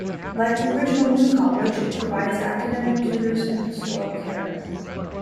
Like the original New College, it provides academic tutors and pastoral care.